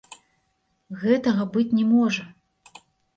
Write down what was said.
Гэтага быць не можа!